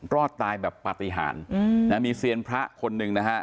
รอดตายแบบปฏิหารมีเซียนพระคนหนึ่งนะฮะ